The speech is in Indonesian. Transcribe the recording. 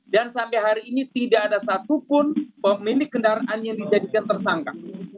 dan sampai hari ini tidak ada satupun pemilik kendaraan yang dijadikan tersangka